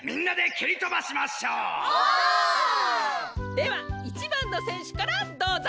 では１ばんのせんしゅからどうぞ！